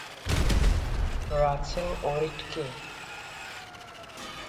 Rachel Orit K?